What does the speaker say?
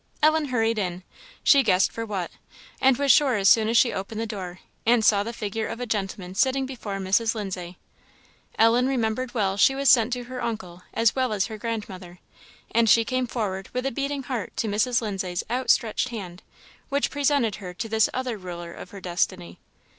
Ellen hurried in she guessed for what and was sure as soon as she opened the door, and saw the figure of a gentleman sitting before Mrs. Lindsay. Ellen remembered well she was sent to her uncle as well as her grandmother, and she came forward with a beating heart to Mrs. Lindsay's outstretched hand, which presented her to this other ruler of her destiny.